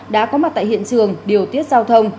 đã có mặt tại hiện trường điều tiết giao thông